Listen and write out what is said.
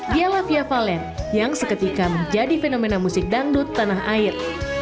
dia lafia valen yang seketika menjadi fenomena musik dangdut tanah air